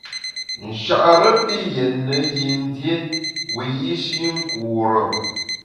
Nchare pi yètne yin dié wiyi’shi nkure.